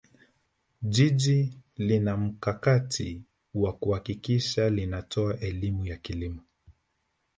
jiji linamkakati wa kuhakikisha linatoa elimu ya kilimo